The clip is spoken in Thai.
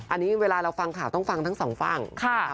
อันนี้เวลาเราฟังข่าวต้องฟังทั้งสองฝั่ง